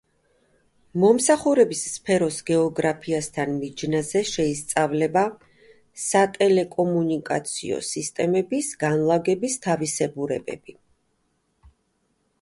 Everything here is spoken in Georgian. მომსახურების სფეროს გეოგრაფიასთან მიჯნაზე შეისწავლება სატელეკომუნიკაციო სისტემების განლაგების თავისებურებები.